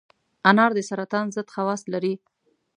انار د سرطان ضد خواص لري.